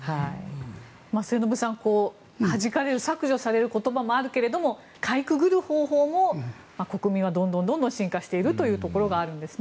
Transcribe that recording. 末延さん、はじかれる削除される言葉もあるけどかいくぐる方法も国民はどんどん進化しているところがあるんですね。